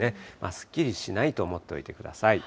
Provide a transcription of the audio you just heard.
すっきりしないと思っておいてください。